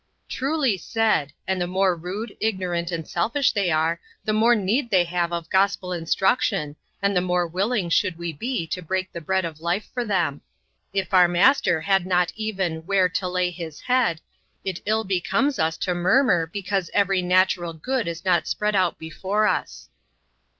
"Truly said. And the more rude, ignorant, and selfish they are, the more need they have of gospel instruction, and the more willing should we be to break the bread of life for them. If our Master had not even 'where to lay his head,' it ill becomes us to murmur because every natural good is not spread out before us."